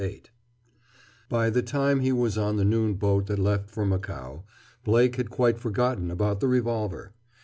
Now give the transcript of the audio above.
VIII By the time he was on the noon boat that left for Macao, Blake had quite forgotten about the revolver.